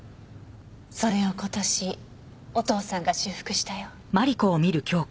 それを今年お父さんが修復したよ。